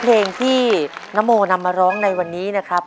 เพลงที่นโมนำมาร้องในวันนี้นะครับ